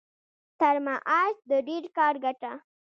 تر معاش د ډېر کار ګټه.